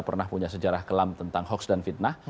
pernah punya sejarah kelam tentang hoax dan fitnah